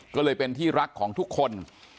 ก็เลยเป็นที่รักของทุกคน